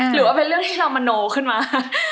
หรือว่าเป็นเรื่องที่เรามโนขึ้นมา